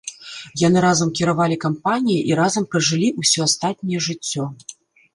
Яны разам кіравалі кампаніяй і разам пражылі усё астатняе жыццё.